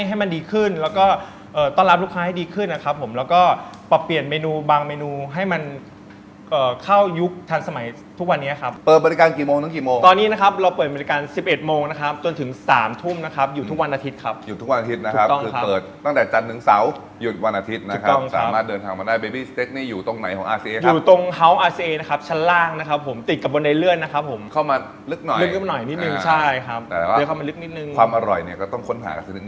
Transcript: ให้มันดีขึ้นแล้วก็ต้อนรับลูกค้าให้ดีขึ้นนะครับผมแล้วก็ปรับเปลี่ยนเมนูบางเมนูให้มันเข้ายุคทันสมัยทุกวันเนี้ยครับเปิดบริการกี่โมงตั้งกี่โมงตอนนี้นะครับเราเปิดบริการสิบเอ็ดโมงนะครับจนถึงสามทุ่มนะครับอยู่ทุกวันอาทิตย์ครับอยู่ทุกวันอาทิตย์นะครับถูกต้องครับคือเปิดตั้งแต่จันทร